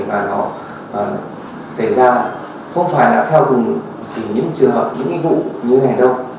và nó xảy ra không phải là theo cùng chỉ những trường hợp những nhiệm vụ như thế này đâu